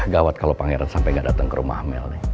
gawat kalau pangeran sampai gak datang ke rumah mel